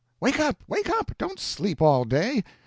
wake up! wake up! Don't sleep all day!